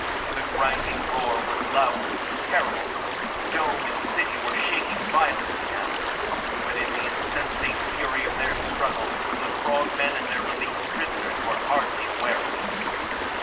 The grinding roar was louder, terrible; dome and city were shaking violently now; but in the insensate fury of their struggle the frog men and their released prisoners were hardly aware of it.